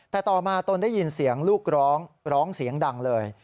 แต่ต่อมาตนได้ยินเสียงลูกร้องร้องเสียงดังเลย